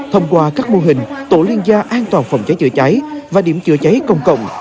thông qua các mô hình tổ liên gia an toàn phòng cháy chữa cháy và điểm chữa cháy công cộng